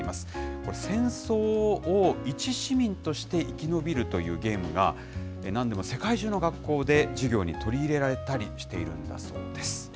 これ、戦争を一市民として生き延びるというゲームがなんでも世界中の学校で授業に取り入れられたりしているんだそうです。